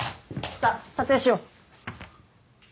さあ撮影しよう。